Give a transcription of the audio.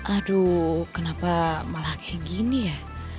aduh kenapa malah kayak gini ya